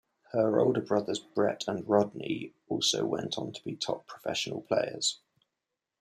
Her older brothers Brett and Rodney also went on to be top professional players.